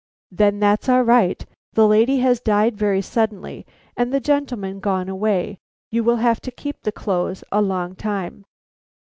"Then that's all right; the lady has died very suddenly, and the gentleman gone away; you will have to keep the clothes a long time."